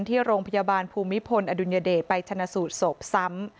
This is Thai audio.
ที่โรงพยาบาลภูมิพลอดุลยเดชไปชนะสูตรศพซ้ำ